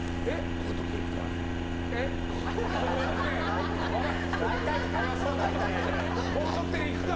高得点行くか。